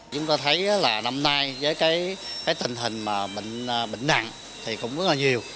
chúng ta thấy là năm nay với cái tình hình bệnh nặng thì cũng rất là nhiều